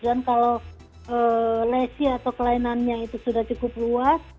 dan kalau lesi atau kelainannya itu sudah cukup luas